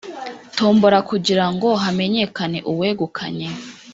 tombola kugira ngo hamenyekane uwegukanye